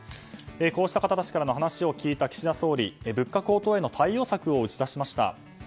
こうした方たちからの話を聞いた岸田総理、物価高騰への打ち出しました。